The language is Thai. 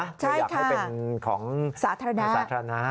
เธออยากให้เป็นของสาธารณะ